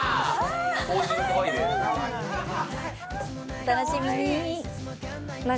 お楽しみに。